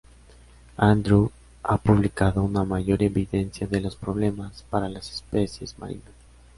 Andrews ha publicado una mayor evidencia de los problemas para las especies marinas.